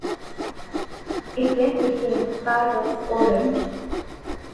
It then became part of Poland.